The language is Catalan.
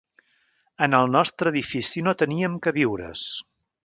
En el nostre edifici no teníem queviures